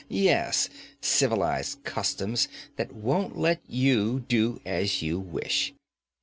'Yes, civilized customs that won't let you do as you wish.